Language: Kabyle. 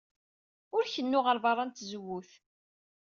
Ur kennu ɣer beṛṛa n tzewwut.